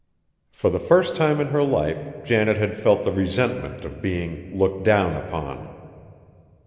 For the first time in her life, Janet had felt the resentment of being "looked down upon."